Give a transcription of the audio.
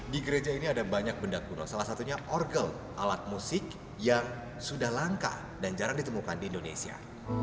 di gereja ini ada banyak benda kuno salah satunya orgel alat musik yang sudah langka dan jarang ditemukan di indonesia